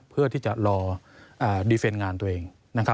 เพื่อที่จะลองตัดประตูงานตัวเอง